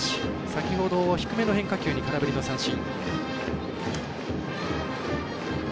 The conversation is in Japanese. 先ほど、低めの変化球に空振りの三振。